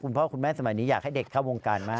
พ่อคุณแม่สมัยนี้อยากให้เด็กเข้าวงการมาก